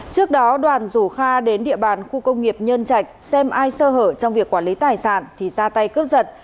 trước đó đoàn rủ kha đến địa bàn khu công nghiệp nhân trạch xem ai sơ hở trong việc quản lý tài sản thì ra tay cướp giật